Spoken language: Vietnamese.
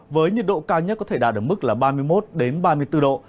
với nhiệt độ cao nhất có thể đạt được mức là ba mươi một ba mươi bốn độ